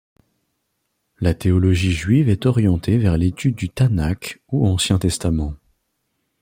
La théologie juive est orientée vers l'étude du Tanakh ou Ancien Testament.